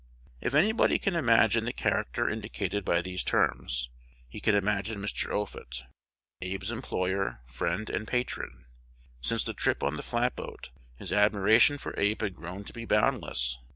If anybody can imagine the character indicated by these terms, he can imagine Mr. Offutt, Abe's employer, friend, and patron. Since the trip on the flatboat, his admiration for Abe had grown to be boundless.